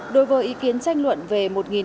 đối với ý kiến tranh luận về một một trăm sáu mươi sáu